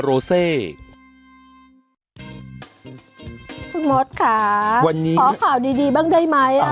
รอข่าวดีดีบ้างได้ไหม